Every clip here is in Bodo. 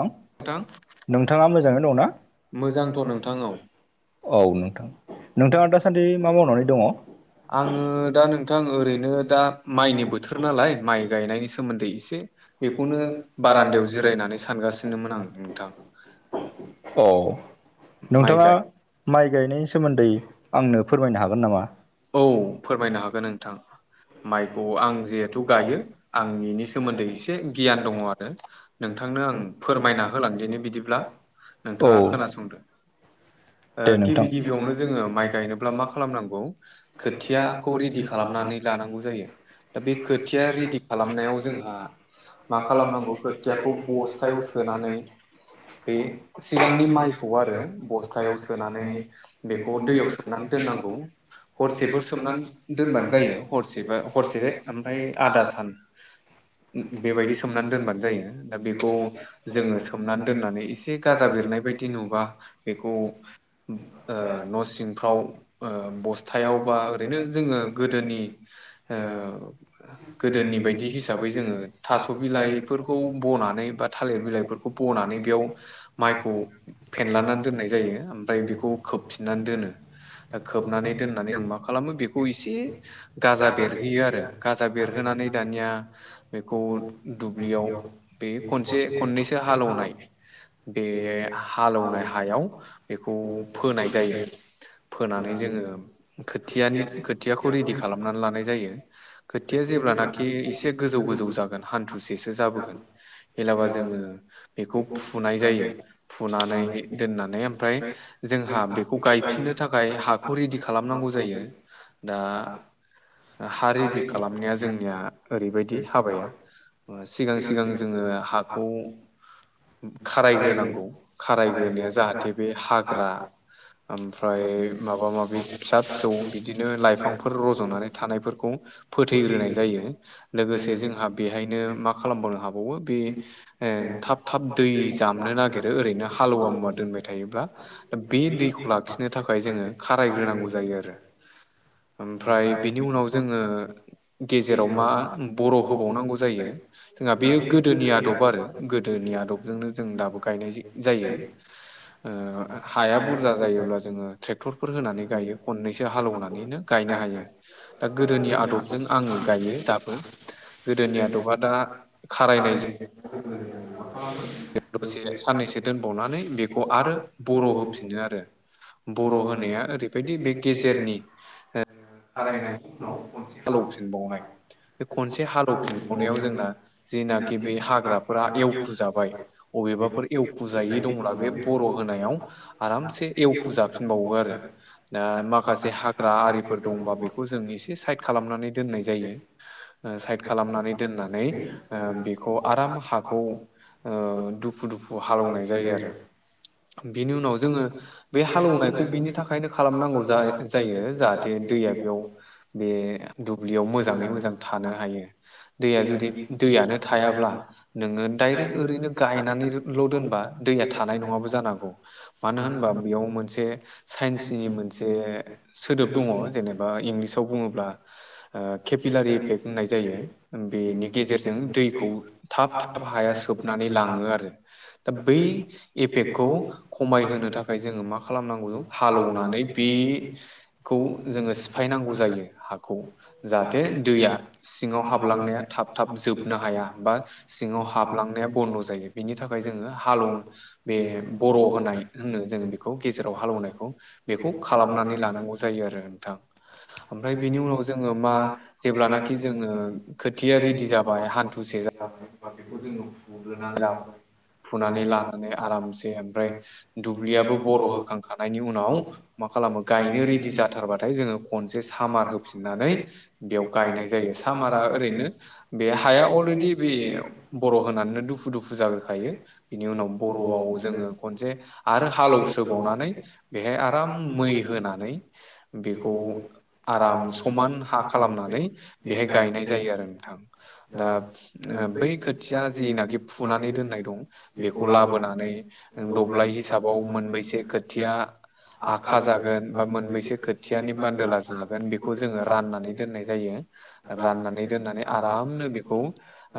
नोंथा नोंथां नोंथाङा मोजाङै दंना मोजांथ' नोंथां औ औ नोंथां नोंथाङा दासान्दि मा मावनानै दङ? आङो दा नोंथां ओरैनो दा माइनि बोथोर नालाय माइ गायनायनि सोमोन्दै एसे बेखौनो बारान्दायाव जिरायनानै सान औ माइ नोंथाङा गाय माइ गायनायनि सोमोन्दै आंनो फोरमायनो हागोन नामा? औ फोरमायनो हागोन नोंथां। माइखौ आं जिहेथु गायो आं बेनि सोमोन्दै एसे गियान दङआरो नोंथांनो आं फोरमायना होलांदिनि बिदिब्ला औ नोंथाङा खोनासंदो ओ दे नोंथां गिबि गिबियावनो जोङो माइ गायनोब्ला मा खालामनांगौ खोथियाखौ रेदि खालामनानै ला लानांगौ जायो दा बे खोथिया रेडि खालामनायाव जोंहा मा खालामनांगौ खोथियाखौ बस्थायाव सोनानै बे सिगांनि माइखौ आरो बस्थायाव सोनानै बेखौ दैयाव सो सोमनानै दोननांगौ हरसेफोर सोमनानै दोनबानो जायो हर सेबा हरसे ओमफ्राय आदा सान बेबायदि सोमनानै दोनबानो जायो दा बेखौ जोङो सोमनानै दोननानै एसे गाजा बेरनायबायदि नुबा बेखौ ओ न'सिंफ्राव ओ बस बस्थायावबा ओरैनो जोङो गोदोनि ओ गोदोनि बायदि हिसाबै जोङो थास' बिलाइफोरखौ बनानै बा थालिर बिलाइफोर खौ बनानै बेयाव माइखौ फेनलानानै दोननाय जायो ओमफ्राय बेखौ खोबफिननानै दोनो दा खोबनानै दोननानै आं मा खालामो बेखौ एसे गाजा बेरहोयो आरो गाजा बेरहोनानै दानिया बेखौ दुब्लियाव बे खनसे खननैसो हालेवनाय बे हालौनाय हायाव बेखौ फोनाय जायो फोनानै जोङो खोथियानि खोथियाखौ रेडि खालाम खालामनानै लानाय जायो खोथिया जेब्लानाखि एसे गोजौ गोजौ जागोन हान्थुसेसो जाबोगोन हेलाबा जोङो बेखौ फुनाय जायो फुनानै दोननानै ओमफ्राय जोंहा बेखौ गायफिननो थाखाय हाखौ रेडि खालामनांगौ जायो दा हा रेडि खालामनाया जोंनिया ओरैबायदि हाबाया सिगां सिगां जोङो हाखौ खारायग्रोनांगौ खारायग्रोनाया जाहाथे बे हाग्रा ओमफ्राय माबा माबि फिसा फिसौ बिदिनो लाइफांफोर रज'नानै थानायफोरखौ फोथैग्रोनाय जायो लोगोसे जोंहा बेहायनो मा खालामबावनो हाबावो बे ओ थाब थाब दै जामनो नागिरो ओरैनो हालुवा मुवा दोनबाय थायोब्ला दा बे दैखौ लाखिनो थाखाय जोङो खारायग्रोनांगौ जायो आरो ओमफ्राय बिनि उनाव जोङो गेजेराव मा बर' होबावनांगौ जायो जोंहा बेयो गोदोनि आदब आरो गोदोनि आदबजोंनो जों दाबो गायनाय जायो ओ हाया बुरजा जायोब्ला जोङो ट्रेक्टरफोर होनानै गायो खननैसो हालौवनानैनो गायनो हायो दा गोदोनि आदबजों आङो गायो दाबो गोदोनि आदबा दा खारायनायजो [inaudible] दसे साननैसो दोनबावनानै बेखौ आरो बर' होफिनो आरो बर' होनाया ओरैबायदि बे गेजेरनि हारायनायनि उनाव मोननसे हालौफिनबावनाय हालवफैबावनाय बे खनसे हालेफिनबावनायाव जोंना जिनाखि बे हाग्राफोरा एवखुजाबाय अबेबाफोर एवखु जायै दंब्ला बे बर' होनायाव आरामसे एवखु जाफिनबावो आरो दा माखासे हाग्रा आरिफोर दंबा बेखौ जों एसे साइद खालामनानै दोननाय जायो ओ साइद खालामनानै दोननानै ओ बेखौ आराम हाखौ ओ दुफु दुफु हालेवनाय जायो आरो बिनि उनाव जोङो बे हालौवनायखौ बिनि थाखायनो खालामनांगौ जा जायो जाहाथे दैया बेयाव बे दुब्लियाव मोजाङै मोजां थानो हायो दैया जुदि दैयानो थायाब्ला नोङो दडाइरेक्ट ओ ओरैनो गायनानैल' दोनबा दैया थानाय नङाबो जानांगौ मानो होनबा बेयाव मोनसे साइन्सनि मोनसे सोदोब दङ जेनेबा इंलिसाव बुङोब्ला ओ केपिलारि इफेक्ट होननाय जायो बेनि गेजेरजों दैखौ थाब थाब हाया सोब नानै लाङो आरो दा बै एफेक्टखौ खमायहोनो था खाय जोङो मा खालामनांगौ जों हालौवनानै बेखौ जोङो सिफायनांगौ जायो हाखौ जाहाथे दैया सिङाव हाबलांनाया थाब थाब जोबनो हाया बा सिङाव हाबलां बिनि थाखाय जोङो हालेव बे बर' होनाय होनो जों बेखौ गेजेराव हालौनायखौ बेखौ खालामनानै लानांगौ जायो आरो नोंथां ओफ्राय बेनि उनाव जोङो मा जेब्लानाखि जोङो खोथिया रेडि जाबाय हान्थुसे जा फुग्रोनानै लाबाय। फुनानै लानानै आरामसे ओमफ्राय दुब्लियाबो बर' होखांखानि उनाव मा खालामो गायनो रेडि जाथारबाथाय जोङो खनसे सामार होफिननानै बेयाव गायनाय जायो सामारा ओरैनो बे हाया अलरेडि बे बर' होनानै दु फु जाग्रोखायो। बिनि उनाव बर'आव जोङो खनसे आरो हालेवस्रोबावनानै बेहाय आराम मै होनानै बेखौ आराम समान हा खालामनानै बेहाय गायनाय जायो आरो नोंथां दा ओ बै खोथिया जिनाखि फुनानै दोननाय दं। बेखौ लाबोनानै ओं दब्लाय हिसाबाव मोनबैसे खोथिया आखा जागोन बा मोनबैसे खोथियानि बान्दोला जागोन बेखौ जोङो राननानै दोननाय जायो। राननानै दोननानै आरामनो बेखौ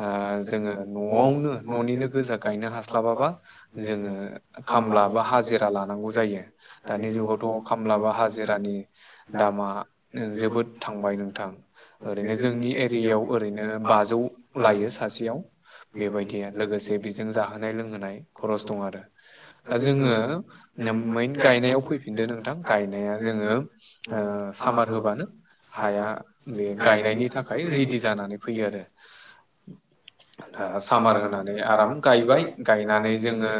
ओ जोङो न'आवनो न'निनो गोजा गायनो हास्लाबाबा जोङो खामला बा हाजिरा लानांगौ जायो। दानि जुगावथ' खामलाबा हाजिरानि दामानो जोबोद थांबाय नोंथां ओरैनो जोंनि एरियायाव ओरैनो बाजौ लायो सासेयाव बेबायदि लोगोसे बेजों जाहोनाय लोंहोनाय खरस दं आरो दा जोङो नोम मेन गायनायाव फैफिनदो नोंथां गायनाया जोङो ओ सामार होबानो हाया बे गायनायनि थाखाय रेडि जानानै फैयो आरो। ओ सामार होना आराम गायबाय गायनानै जोङो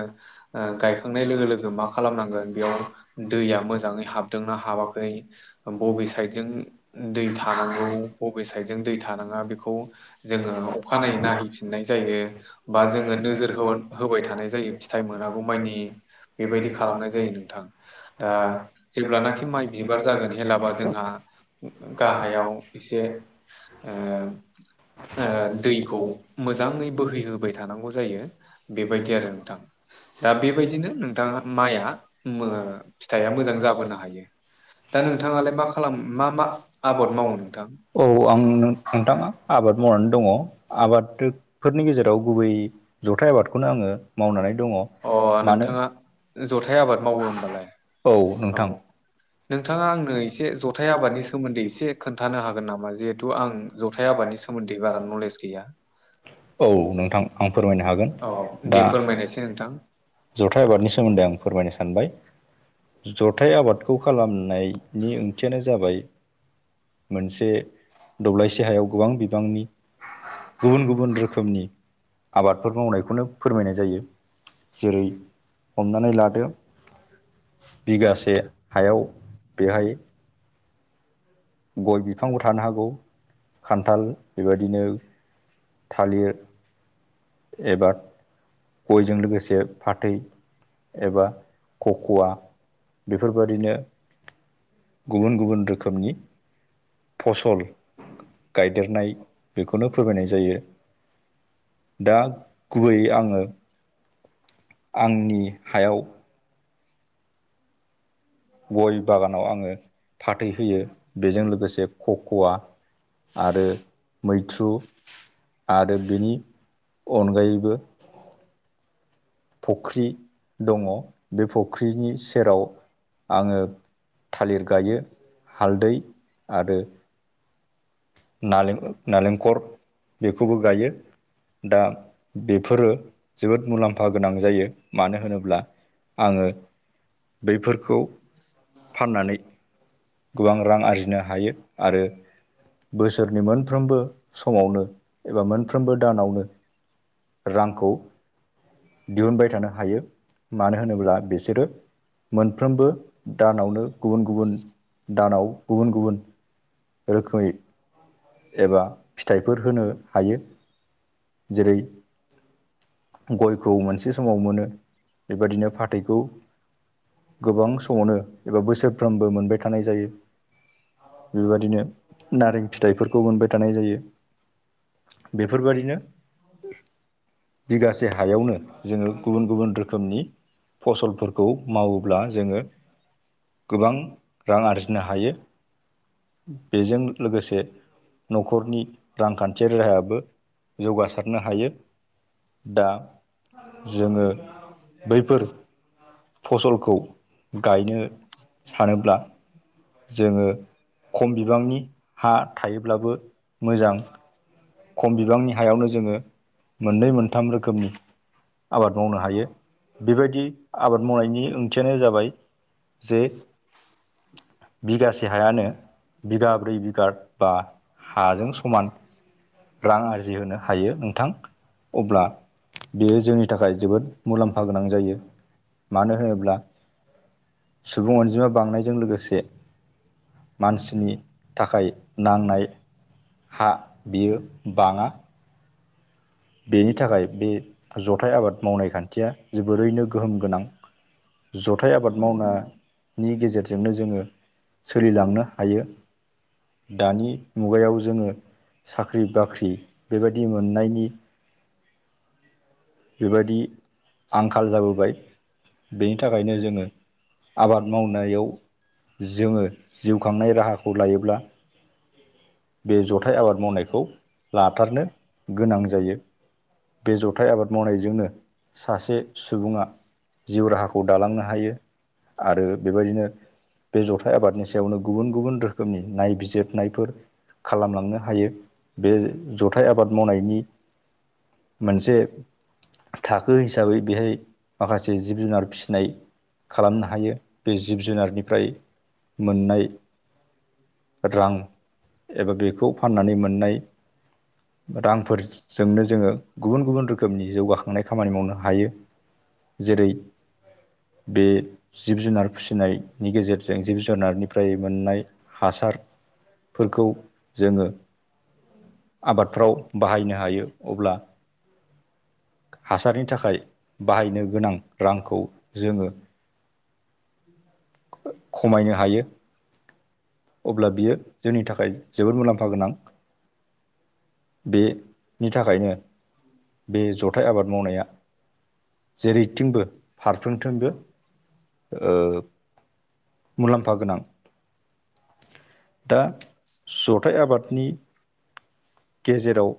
ओ गायखांनाय लोगो लोगो मा खालामनांगोन बेयाव दैया मोजाङै हाबदोंना हाबाखै बबे साइडजों दै थानांगौ। बबे साइद जों दै थानाङा बेखौ जोङो अखानायै नायहैफिननाय जायो। बा जोङो नोजोर हो-होबाय थानाय जायो फिथाइ मोनागौ मानि बेबायदि खालामनाय जायो नोंथां। दा जेब्लानाखि माइ बिबार जागोन हेलाबा जोंहा गाहायाव एसे ओ ओ दैखौ मोजाङै बोहैहो बाय थानांगौ जायो बेबायदि आरो नोंथां। दा बेबायदिनो नोंथाङा माइआ मो फिथाइआ मोजां जाबोनो हायो। दा नोंथाङालाय मा खालाम मा मा आबाद मावो नोंथां औ आं नों थाङा आबाद मावनानै दङ आबाद फोरनि गेजेराव गुबै जथाइ आबादखौनो आङो मावनानै दङ। अ मानो नोंथाङा जथाय आबाद मावो होमबालाय औ नोंथाङा आंनो एसे जथाय आबादनि सोमोन्दै एसे खोन्थानो हागोन नामा जिहेथु आं जथाइ आबादनि सोमोन्दै बारा नलेज गैया। औ नोंथां आं फोरमायनो हागोन औ दे दा फोरमायनायसै नोंथां जथाइ आबादनि सोमोन्दै आं फोरमायनो सानबाय जथाइ आबादखौ खालामनाय नि ओंथियानो जाबाय मोनसे दौब्लायसे हायाव गोबां बिबांनि गुबुन गुबुन रोखोमनि आबादफोर मावनायखौनो फोरमायनाय जायो। जेरै हमनानै लादो। बिगासे हायाव बेहाय गय बिफांबो थानो हागौ खान्थाल बेबायदिनो थालिर एबा गयजों लोगोसे फाथै एबा कक'वा बेफोरबायदिनो गुबुन गुबुन रोखोमनि फसल गायदेरनाय बेखौनो फोरमायनाय जायो। दा गुबैयै आङो आंनि हायाव गय बागानाव आङो फाथै होयो बेजों लोगोसे खख'आ आरो मैथ्रु आरो बेनि अनगायैबो फख्रि दङ बे फख्रिनि सेराव आङो थालिर गायो हालदै आरो नालें- नालेंखर बेखौबो गायो। दा बेफोरो जोबोद मुलाम्फा गोनां जायो मानो होनोब्ला आङो बैफोरखौ फाननानै गोबां रां आरजिनो हायो आरो। बोसोरनि मोनफ्रोमबो समावनो एबा मोनफ्रोमबो दानावनो रांखौ दिहुनबाय थानो हायो मानो होनोब्ला बिसोरो मोनफ्रोमबो दानावनो गुबुन गुबुन दानाव गुबुन गुबुन रोखोमै एबा फिथाइफोर होनो हायो। जेरै गयखौ मोनसे समाव मोनो। बेबादिनो फाथैखौ गोबां समावनो एबा बोसोरफ्रोमबो मोनबाय थानाय जायो। बेबादिनो नारें फिथाइफोरखौ मोनबाय थानाय जायो। बेफोरबायदिनो बेफोरबादिनो बिगासे हायावनो जोङो गुबुन गुबुन रोखोमनि फसलफोरखौ मावोब्ला जोङो गोबां रां आरजिनो हायो। बेजों लोगोसे न'खरनि रांखान्थियारि राहायाबो जौगासारनो हायो। दा जोङो बैफोर फसलखौ गायनो सानोब्ला जोङो खम बिबांनि हा थायोब्लाबो मोजां खम बिबांनि हायावनो जोङो मोननै मोनथाम रोखोमनि आबाद मावनो हायो। बेबायदि आबाद मावनायनि ओंथियानो जाबाय जे बिगासे हायानो बिगाब्रै बिगा बा हाजों समान रां आरजिहोनो हायो नोंथां अब्ला बेयो जोंनि थाखाय जोबोद मुलाम्फा गोनां जायो। मानो होनोब्ला सुबुं अनजिमा बांनायजों लोगोसे मानसिनि थाखाय नांनाय हा बियो बाङा बेनि थाखाय बे जथाइ आबाद मावनाय खान्थिया जोबोरैनो गोहोम गोनां। जथाइ आबाद मावनायनि गेजेरजोंनो जोङो सोलिलांनो हायो। दानि मुगायाव जोङो साख्रि बाख्रि बेबायदि मोननायनि बेबायदि आंखाल जाबोबाय बेनि थाखायनो जोङो आबाद मावनायाव जोङो जिउ खांनाय राहाखौ लायोब्ला बे जथाइ आबाद मावनायखौ लाथारनो गोनां जायो। बे जथाइ आबाद मावनायजोंनो सासे सुबुङा जिउ राहाखौ दालांनो हायो। आरो बेबायदिनो बे जथाइ आबादनि सायावनो गुबुन गुबुन रोखोमनि नायबिजिरनायफोर खालामलांनो हायो बे जथाइ आबाद मावनायनि मोनसे थाखो हिसाबै बेहाय माखासे जिब जुनार फिसिनाय खालामनो हायो। बे जिब जुनारनिफ्राय मोननाय रां एबा बेखौ फाननानै मोननाय रांफोरजोंनो जोङो गुबुन गुबुन रो खोमनि जौगाखांनाय खामानि मावनो हायो जेरै बे जिब जुनार फिसिनायनि गेजेरजों जिब जुनारनिफ्राय मोननाय हासार फोरखौ जोङो आबादफ्राव बाहायनो हायो। अब्ला हासारनि थाखाय बाहायनो गोनां रांखौ जोङो [inaudible] खमायनो हायो। अब्ला बियो जोंनि थाखाय जोबोद मुलाम्फा गोनां। बे नि थाखायनो बे जथाय आबाद मावनाया जेरैथिंबो फारफ्रोमथिंबो ओ मुलाम्फा गोनां। [inaudible] दा जथायाइ आबादनि गेजेराव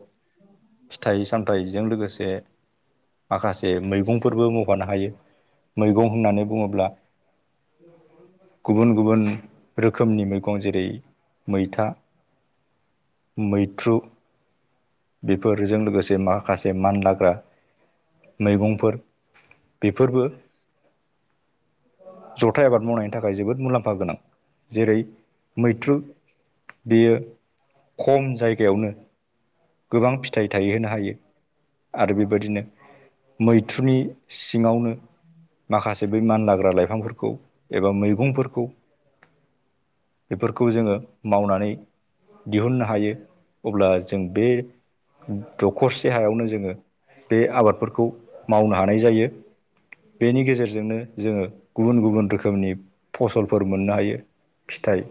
फिथाइ सामथाइजों लोगोसे माखासे मैगंफोरबो मावफानो हायो मैगं होननानै बुङोब्ला गुबुन गुबुन रोखोमनि मैगं जेरै मैथा मैथ्रु बेफोरजों लोगोसे माखासे मानलाग्रा मैगंफोर बेफोरबो जथाय आबाद मावनायनि थाखाय थाखाय जोबोद मुलाम्फा गोनां जेरै मैथ्रु बेयो खम जायगायावनो गोबां फिथाइ थायहोनो हायो आरो बेबायदिनो मैथ्रुनि सिङावनो माखासे बै मानलाग्रा लाइफांफोरखौ एबा मैगंफोरखौ बेफोरखौ जोङो मावनानै दिहुननो हायो अब्ला जों बे दखरसे हायावनो जोङो बे आबादफोरखौ मावनो हानाय जायो। बेनि गेजेरजोंनो जोङो गुबुन गुबुन रोखोमनि फसलफोर मोननो हायो। फिथाइ